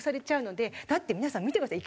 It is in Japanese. だって皆さん見てください。